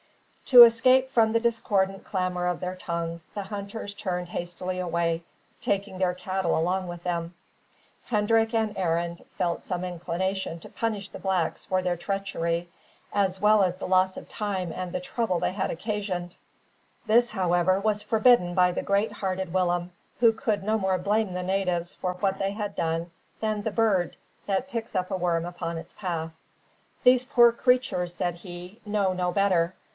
To escape from the discordant clamour of their tongues, the hunters turned hastily away, taking their cattle along with them. Hendrik and Arend felt some inclination to punish the blacks for their treachery, as well as the loss of time and the trouble they had occasioned. This, however, was forbidden by the great hearted Willem, who could no more blame the natives for what they had done than the bird that picks up a worm upon its path. "These poor creatures," said he, "know no better.